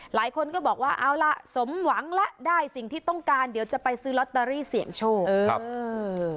หลายคนก็บอกว่าเอาล่ะสมหวังแล้วได้สิ่งที่ต้องการเดี๋ยวจะไปซื้อลอตเตอรี่เสี่ยงโชคเออ